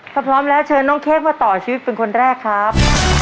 ถ้าพร้อมแล้วเชิญน้องเค้กมาต่อชีวิตเป็นคนแรกครับ